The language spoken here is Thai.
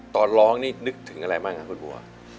ตอนร้องนี่นึกถึงอะไรบ้างครับคุณบัว